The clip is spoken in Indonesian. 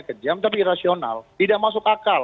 kejam tapi rasional tidak masuk akal